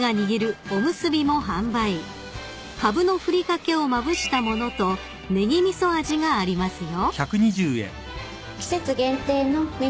［カブのふりかけをまぶした物とねぎ味噌味がありますよ］